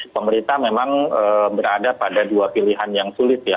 pemerintah memang berada pada dua pilihan yang sulit ya